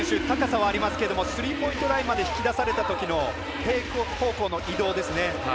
高さがありますけどスリーポイントまで引き出されたときのテイク方向の移動ですね。